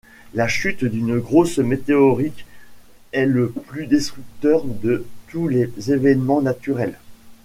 La chute d'une grosse météorite est le plus destructeur de tous les événements naturels.